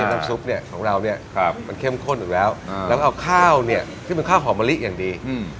น้ำซุปเนี่ยของเราเนี่ยมันเข้มข้นอีกแล้วแล้วก็เอาข้าวเนี่ยซึ่งเป็นข้าวหอมมะลิอย่างดี